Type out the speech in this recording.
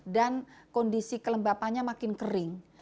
dan kondisi kelembapannya makin kering